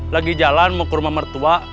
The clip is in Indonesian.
lagi jalan mau ke rumah mertua